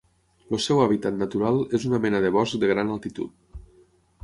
El seu hàbitat natural és una mena de bosc de gran altitud.